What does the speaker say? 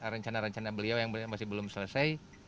rencana rencana beliau yang masih belum selesai